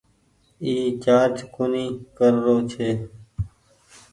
اي چآرج ڪونيٚ ڪر رو ڇي۔